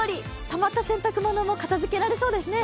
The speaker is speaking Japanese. たまった洗濯物も片づけられそうですね。